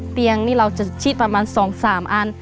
เตียงนี่เราจะชิดประมาณ๒๓อัน